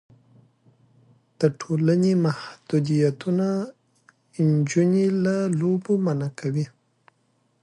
د ټولنې محدودیتونه نجونې له لوبو منع کوي.